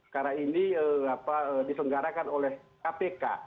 karena ini diselenggarakan oleh kpk